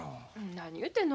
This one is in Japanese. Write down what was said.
何言うてんの。